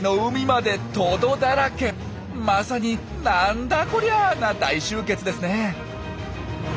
まさに「なんだこりゃ！！」な大集結ですねえ。